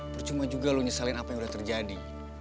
bercuma juga lo nyeselin apa yang udah terjadi